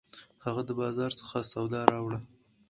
هغه د بازار څخه سودا راوړه